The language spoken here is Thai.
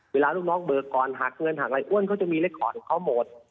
ลูกน้องเบิกก่อนหักเงินหักอะไรอ้วนเขาจะมีเล็กคอร์ดของเขาหมด